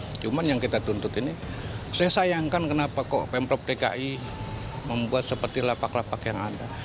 cuman yang kita tuntut ini saya sayangkan kenapa kok pemprov dki membuat seperti lapak lapak yang ada